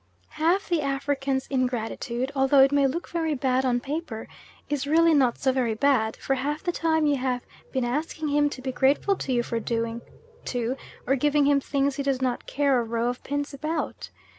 Half the African's ingratitude, although it may look very bad on paper, is really not so very bad; for half the time you have been asking him to be grateful to you for doing to, or giving him things he does not care a row of pins about.